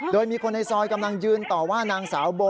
โดยมีคนในซอยกำลังยืนต่อว่านางสาวโบ